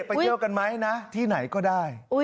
ไปเที่ยวกันไหมนะที่ไหนก็ได้